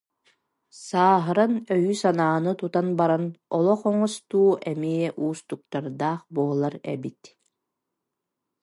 Сааһыран, өйү-санааны тутан баран олох оҥостуу эмиэ уустуктардаах буолар эбит